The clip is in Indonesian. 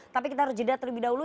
tapi kita harus jeda terlebih dahulu